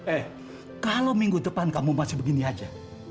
eh kalau minggu depan kamu masih begini aja